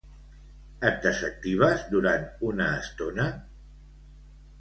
Et desactives durant una estona?